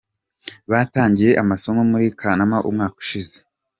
Batangiye amasomo muri Kanama umwaka ushize.